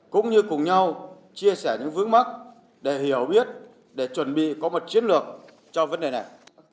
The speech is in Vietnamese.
cũng như cùng nhau chia sẻ những vướng mắt để hiểu biết để chuẩn bị có một chiến lược cho vấn đề này